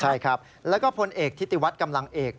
ใช่ครับแล้วก็พลเอกทิติวัฒน์กำลังเอก